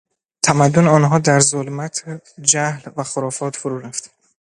تمدن آنها در ظلمت جهل و خرافات فرو رفت.